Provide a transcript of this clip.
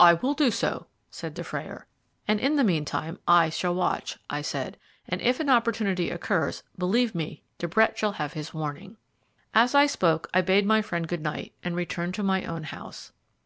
"I will do so," said Dufrayer. "And in the meantime I shall watch," I said, "and if an opportunity occurs, believe me, De Brett shall have his warning." As I spoke I bade my friend good night and returned to my own house.